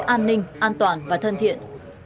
an ninh an toàn và thân thiện